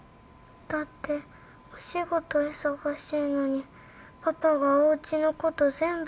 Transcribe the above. だってお仕事忙しいのにパパはおうちのこと全部やってる。